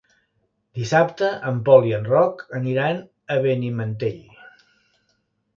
Dissabte en Pol i en Roc aniran a Benimantell.